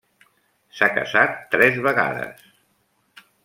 S'ha casat tres vegades.